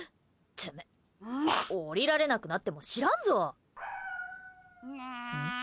てめえ、下りられなくなっても知らんぞ！